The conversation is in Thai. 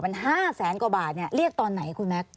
มัน๕แสนกว่าบาทเรียกตอนไหนคุณแม็กซ